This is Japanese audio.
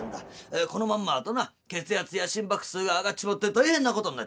このまんまだとな血圧や心拍数が上がっちまって大変なことになっちまう。